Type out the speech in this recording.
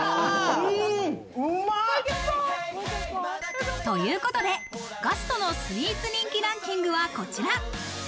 うまっ！ということでガストのスイーツ人気ランキングはこちら。